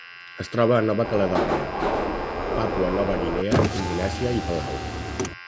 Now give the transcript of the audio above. Es troba a Nova Caledònia, Papua Nova Guinea, Indonèsia i Palau.